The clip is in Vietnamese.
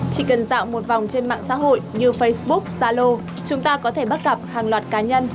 chỉ cần dạo một vòng trên mạng xã hội như facebook zalo chúng ta có thể bắt gặp hàng loạt cá nhân